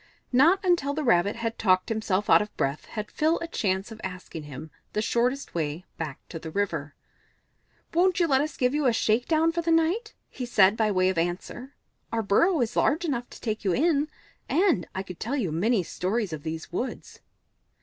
Not until the Rabbit had talked himself out of breath had Phil a chance of asking him the shortest way back to the river. "Won't you let us give you a shake down for the night?" he said by way of answer. "Our burrow is large enough to take you in, and I could tell you many stories of these woods."